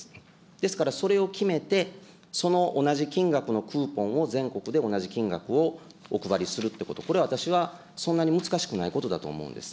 ですから、それを決めて、その同じ金額のクーポンを全国で同じ金額をお配りするということ、これは私はそんなに難しくないことだと思うんです。